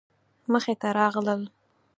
مخې ته راغلل.